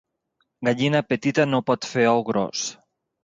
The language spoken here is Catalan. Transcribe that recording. Gallina petita no pot fer ou gros.